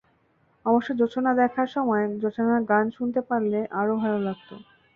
অবশ্য জোছনা দেখার সময় জোছনার গান শুনতে পারলে আরও ভালো লাগত।